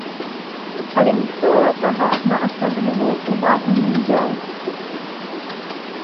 Але ніхто гэтага на асаблівую ўвагу не ўзяў.